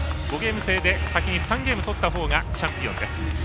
５ゲーム制で先に３ゲーム取ったほうがチャンピオンです。